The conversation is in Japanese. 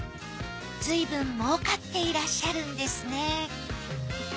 ずいぶん儲かっていらっしゃるんですね